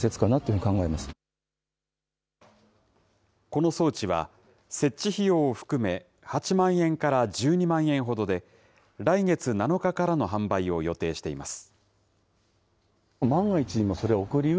この装置は、設置費用を含め、８万円から１２万円ほどで、来月７日からの販売を予定しています。